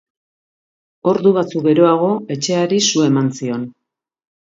Ordu batzuk geroago etxeari su eman zion.